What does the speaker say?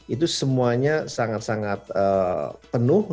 itu semuanya sangat sangat penuh